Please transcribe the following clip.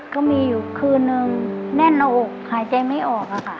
ก็มีอยู่คืนนึงแน่นหน้าอกหายใจไม่ออกค่ะ